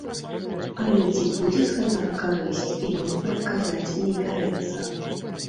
Але ці будзе з гэтага карысць, ён прадказаць не бярэцца.